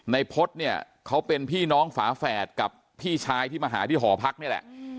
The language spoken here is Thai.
พฤษเนี่ยเขาเป็นพี่น้องฝาแฝดกับพี่ชายที่มาหาที่หอพักนี่แหละ